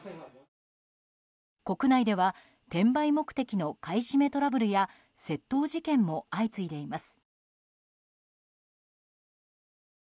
国内では転売目的の買い占めトラブルや窃盗事件も相次いでいます。